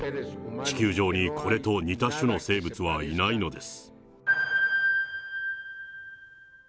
地球上にこれと似た種の生物はいないのです。